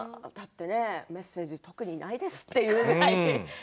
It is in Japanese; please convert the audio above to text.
メッセージは特にないですっていうぐらい。